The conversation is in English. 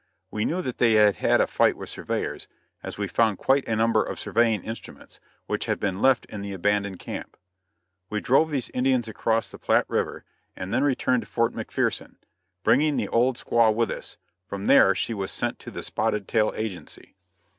We knew that they had had a fight with surveyors, as we found quite a number of surveying instruments, which had been left in the abandoned camp. We drove these Indians across the Platte river and then returned to Fort McPherson, bringing the old squaw with us, from there she was sent to the Spotted Tail Agency.